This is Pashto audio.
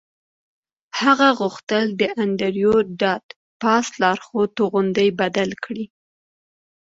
هغه غوښتل د انډریو ډاټ باس لارښود توغندی بدل کړي